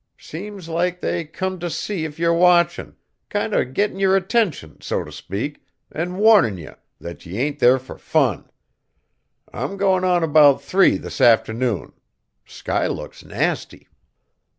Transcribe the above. Seems like they come t' see if yer watchin'; kinder gettin' yer attention, so t' speak, an' warnin' ye that ye ain't there fur fun. I'm goin' on 'bout three this afternoon. Sky looks nasty."